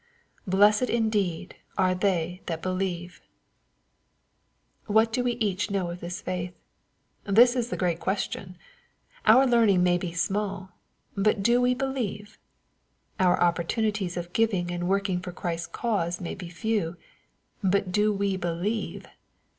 Blessed indeed are they that believe I What do we each know of this faith ? .This is the great question. Our learning may be sm^ll : but do we believe ? Our opportunities of giving and working for Christ's cause may be few : but do we believe